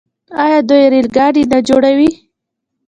آیا دوی ریل ګاډي نه جوړوي؟